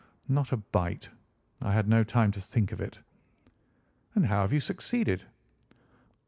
"Not a bite. I had no time to think of it." "And how have you succeeded?"